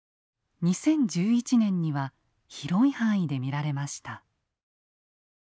２０１１年には広い範囲で見られました。